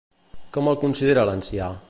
Com el considera l'ancià?